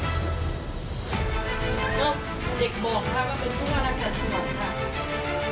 ก็เด็กบอกท่านว่าเป็นผู้รักษณะที่รักค่ะ